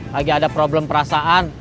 lagi ada problem perasaan